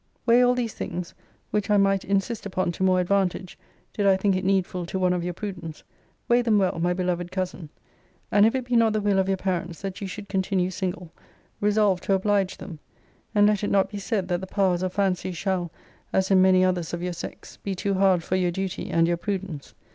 Weigh all these things, which I might insist upon to more advantage, did I think it needful to one of your prudence weigh them well, my beloved cousin; and if it be not the will of your parents that you should continue single, resolve to oblige them; and let it not be said that the powers of fancy shall (as in many others of your sex) be too hard for your duty and your prudence.